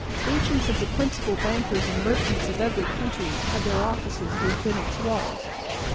Agents of the principal bankers and merchants of every country had their offices within its walls.